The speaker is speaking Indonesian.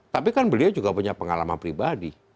tapi kan beliau juga punya pengalaman pribadi